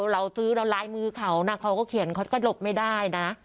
เราซื้อเราลายมือเขานะเขาก็เขียนเขาก็หลบไม่ได้นะ